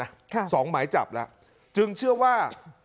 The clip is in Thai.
สองหมายจับแล้วจึงเชื่อว่า